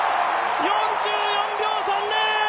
４４秒３０。